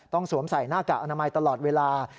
สวมใส่หน้ากากอนามัยตลอดเวลา